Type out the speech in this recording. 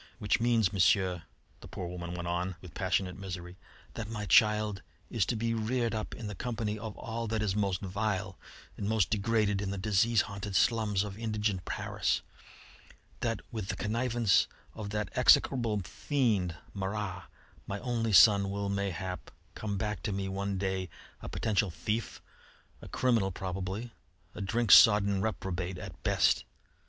Which means, Monsieur," the poor woman went on with passionate misery, "that my child is to be reared up in the company of all that is most vile and most degraded in the disease haunted slums of indigent Paris; that, with the connivance of that execrable fiend Marat, my only son will, mayhap, come back to me one day a potential thief, a criminal probably, a drink sodden reprobate at best.